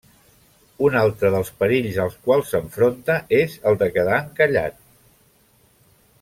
Un altre dels perills als quals s'enfronta és el de quedar encallat.